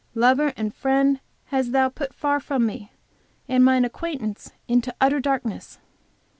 Lover and friend hast thou put far from me, and mine acquaintance into utter darkness."